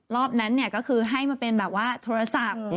รอบนั้นก็คือให้มาเป็นแบบว่าโทรศัพท์